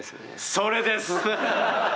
それです！